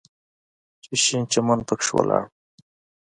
چې شين چمن پکښې ولاړ و.